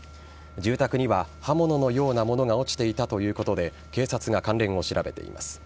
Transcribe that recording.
住宅には刃物のようなものが落ちていたということで警察が関連を調べています。